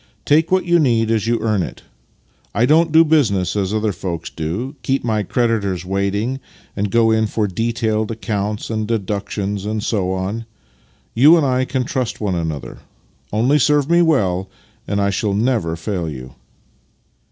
" Take what you need as you earn it. I don't do business as other folks do — keep my creditors waiting, and go in for detailed accounts and deductions and so on. You and I can trust one another. Only serve me well, and I shall never fail you."